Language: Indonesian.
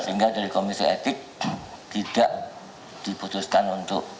sehingga dari komisi etik tidak diputuskan untuk